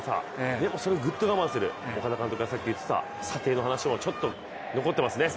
でもそれをグッと我慢する、さっき岡田監督も言っていた、査定の話もちょっと残っていますね。